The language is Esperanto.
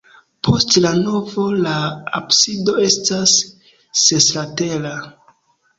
Post la navo la absido estas seslatera.